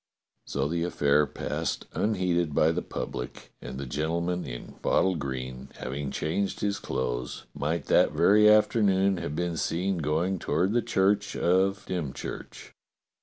So the affair passed unheeded by the public, and the gentleman in bottle green, having changed his clothes, might that very afternoon have been seen going toward the church of Dymchurch.